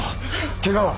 ケガは？